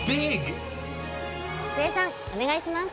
諏江さんお願いします。